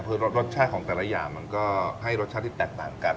คือรสชาติของแต่ละอย่างมันก็ให้รสชาติที่แตกต่างกัน